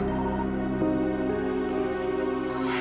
ini para truk